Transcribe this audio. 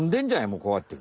もうこうやって。